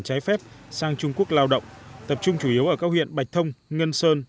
trái phép sang trung quốc lao động tập trung chủ yếu ở các huyện bạch thông ngân sơn